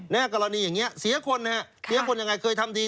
กรณีอย่างนี้เสียคนนะฮะเสียคนยังไงเคยทำดี